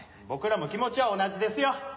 僕らも気持ちは同じですよ。